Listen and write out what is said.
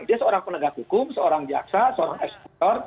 dia seorang penegak hukum seorang jaksa seorang eksekutor